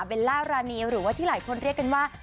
ล่ารานีหรือว่าที่หลายคนเรียกกันว่า